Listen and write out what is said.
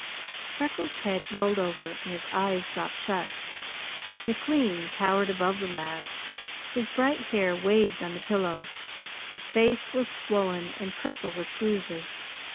Freckles' head rolled over and his eyes dropped shut. McLean towered above the lad. His bright hair waved on the pillow. His face was swollen, and purple with bruises.